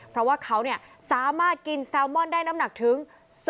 เพราะว่าเขาสามารถกินแซลมอนได้น้ำหนักถึง